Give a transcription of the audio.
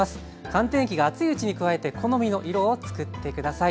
寒天液が熱いうちに加えて好みの色をつくって下さい。